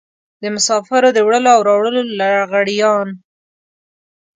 د مسافرو د وړلو او راوړلو لغړيان.